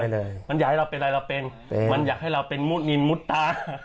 มันอยากให้เราเป็นอะไรเราเป็นมันอยากให้เราเป็นมุดนินมุดตา